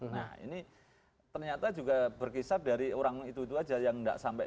nah ini ternyata juga berkisar dari orang itu saja yang tidak sampai